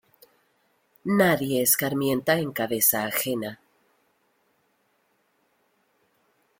Nadie escarmienta en cabeza ajena.